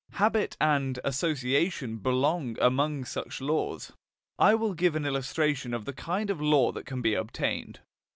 Habit and association belong among such laws. I will give an illustration of the kind of law that can be obtained.